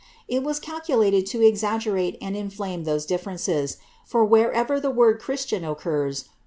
It was calculated to exaggerate and inflame those differences ; for wherever the word Christian occurs.